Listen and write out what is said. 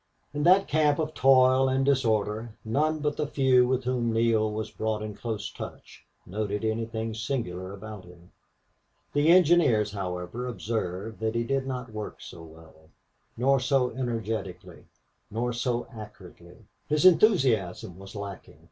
In that camp of toil and disorder none but the few with whom Neale was brought in close touch noted anything singular about him. The engineers, however, observed that he did not work so well, nor so energetically, nor so accurately. His enthusiasm was lacking.